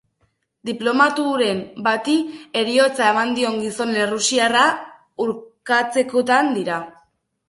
Diplomaturen bati heriotza eman dion gizon errusiarra urkatzekotan dira.